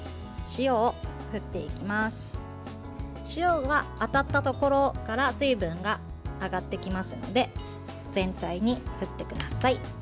塩は当たったところから水分が上がってきますので全体に振ってください。